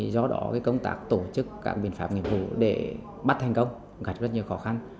do đó công tác tổ chức các biện pháp nghiệp vụ để bắt thành công gặp rất nhiều khó khăn